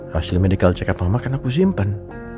hasil medical check up mama kan aku simpan